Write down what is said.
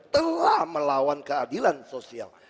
telah melawan keadilan sosial